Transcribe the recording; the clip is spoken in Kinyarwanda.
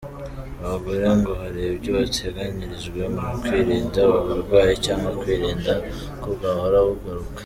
Abagore ngo hari ibyo bateganyirijwe mu kwirinda ubu burwayi cyangwa kwirinda ko bwahora bugaruka.